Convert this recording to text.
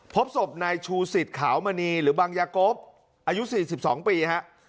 พบศพในชูศิษฐ์ขาวมณีหรือบางยกบอายุสี่สิบสองปีฮะ